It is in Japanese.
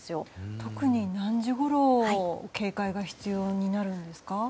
特に何時ごろ警戒が必要になるんですか？